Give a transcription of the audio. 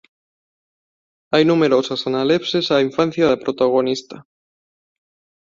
Hai numerosas analepses á infancia da protagonista.